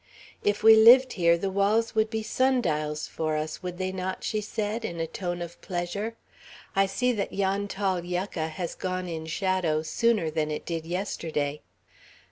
"If we lived here, the walls would be sun dials for us, would they not?" she said, in a tone of pleasure. "I see that yon tall yucca has gone in shadow sooner than it did yesterday."